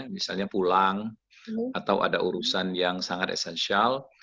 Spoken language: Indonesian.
misalnya pulang atau ada urusan yang sangat esensial